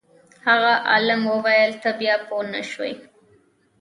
هغه عالم وویل ته بیا پوه نه شوې.